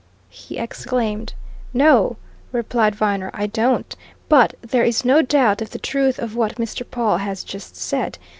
he exclaimed. "No," replied Viner, "I don't. But there is no doubt of the truth of what Mr. Pawle has just said.